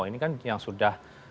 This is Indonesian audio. ini kan yang sudah